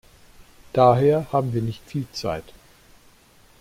Daher haben wir nicht viel Zeit.